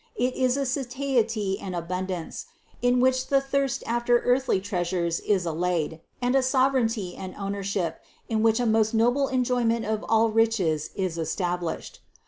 It is a satiety and abundance, in which the thirst after earthly treasures is al layed, and a sovereignty and ownership, in which a most noble enjoyment of all riches is established.